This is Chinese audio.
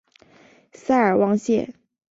塞尔旺谢。